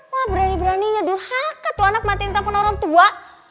wah berani beraninya durhaka tuh anak matiin telfon orang tua